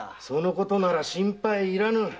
そのことなら心配いらぬ。